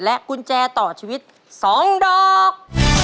กุญแจต่อชีวิต๒ดอก